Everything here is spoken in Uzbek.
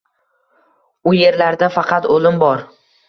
U yerlarda faqat o’lim bor